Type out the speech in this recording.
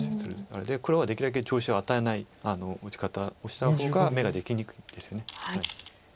なので黒はできるだけ調子を与えない打ち方をしたほうが眼ができにくいですよね。